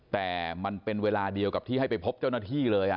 แต่มันเป็นเวลาเดียวกับที่ให้ไปพบเจ้าหน้าที่เลย